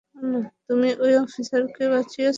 তুমি ওই অফিসারকে বাঁচিয়েছো।